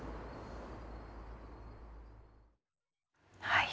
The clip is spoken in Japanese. はい。